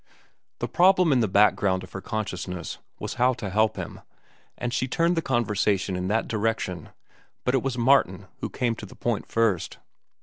The problem in the background of her consciousness was how to help him, and she turned the conversation in that direction; but it was Martin who came to the point first.